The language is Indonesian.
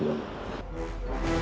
jenderal agus subianto